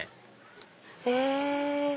へぇ！